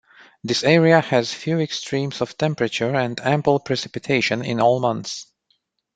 This area has few extremes of temperature and ample precipitation in all months.